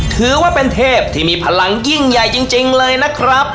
ถือว่าเป็นเทพที่มีพลังยิ่งใหญ่จริงเลยนะครับ